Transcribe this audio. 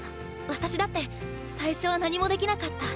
私だって最初は何もできなかった。